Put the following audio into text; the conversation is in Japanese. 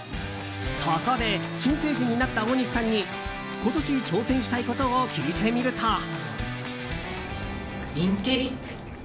そこで新成人になった大西さんに今年挑戦したいことを聞いてみると。